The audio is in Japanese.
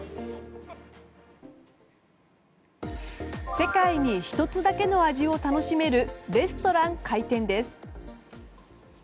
世界に１つだけの味を楽しめるレストラン、開店です。